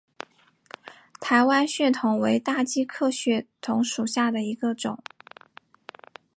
台湾血桐为大戟科血桐属下的一个种。